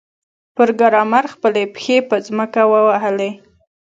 پروګرامر خپلې پښې په ځمکه ووهلې